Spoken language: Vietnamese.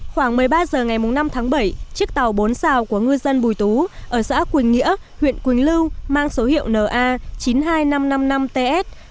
khoảng một mươi ba h ngày năm tháng bảy chiếc tàu bốn xào của ngư dân bùi tú ở xã quỳnh nghĩa huyện quỳnh lưu mang số hiệu na chín mươi hai nghìn năm trăm năm mươi năm ts